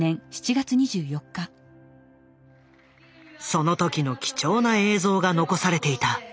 その時の貴重な映像が残されていた。